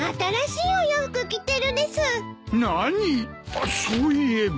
あっそういえば。